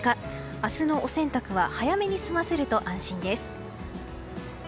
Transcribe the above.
明日のお洗濯は早めに済ませると安心です。